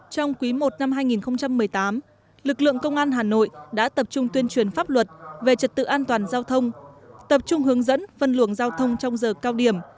trong quý i năm hai nghìn một mươi tám lực lượng công an hà nội đã tập trung tuyên truyền pháp luật về trật tự an toàn giao thông tập trung hướng dẫn phân luồng giao thông trong giờ cao điểm